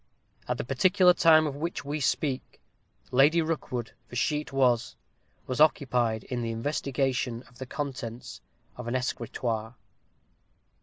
At the particular time of which we speak, Lady Rookwood, for she it was, was occupied in the investigation of the contents of an escritoire.